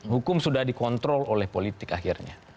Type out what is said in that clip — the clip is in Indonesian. hukum sudah dikontrol oleh politik akhirnya